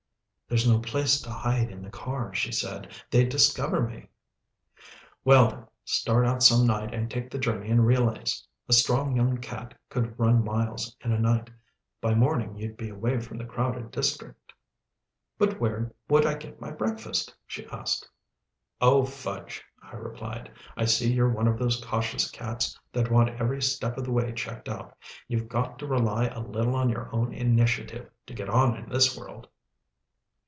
"There's no place to hide in the car," she said. "They'd discover me." "Well then, start out some night, and take the journey in relays. A strong young cat could run miles in a night. By morning, you'd be away from the crowded district." "But where would I get my breakfast?" she asked. "Oh fudge!" I replied. "I see you're one of those cautious cats that want every step of the way checked out. You've got to rely a little on your own initiative, to get on in this world."